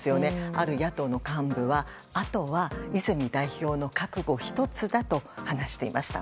ある野党の幹部はあとは泉代表の覚悟一つだと話していました。